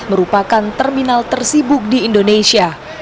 merupakan terminal tersibuk di indonesia